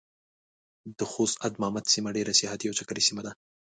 د خوست ادمامد سيمه ډېره سياحتي او چکري سيمه ده.